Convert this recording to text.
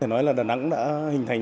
thế nói là đà nẵng đã hình thành